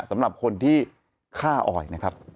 สำหรับคนที่ฆ่าออยนะครับ